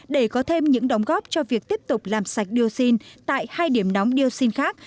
để có thêm những đóng góp cho việc tiếp tục làm sạch dioxin tại hai điểm nóng dioxin khác